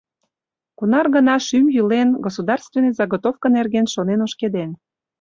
Кунар гана шӱм йӱлен, государственный заготовка нерген шонен ошкеден.